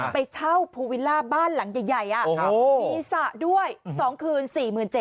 ไปเช่าภูวิลล่าบ้านหลังใหญ่มีสระด้วย๒คืน๔๗๐๐